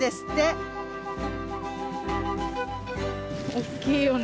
大きいよね。